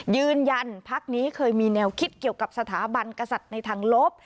ยืนยันพักนี้เคยมีแนวคิดเกี่ยวกับสถาบันกษัตริย์ในทางลบ